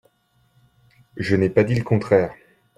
Je n’ai pas dit le contraire.